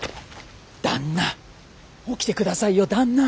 旦那起きてくださいよ旦那！